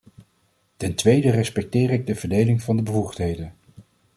Ten tweede respecteer ik de verdeling van de bevoegdheden.